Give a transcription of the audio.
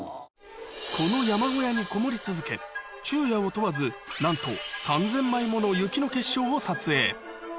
この山小屋に籠り続け、昼夜を問わず、なんと、３０００枚もの雪の結晶を撮影。